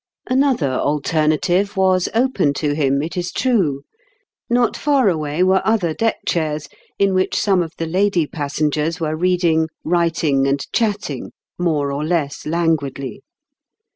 Another alternative was open to him, it is true : not far away were other deck chairs, in which some of the lady passengers were read ing, writing, and chatting more or less lan guidly.